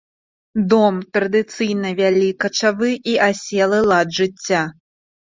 Дом традыцыйна вялі качавы і аселы лад жыцця.